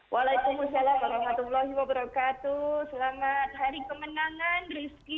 waalaikumsalam warahmatullahi wabarakatuh selamat hari kemenangan rizky